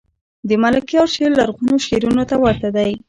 دملکیار شعر لرغونو شعرونو ته ورته دﺉ.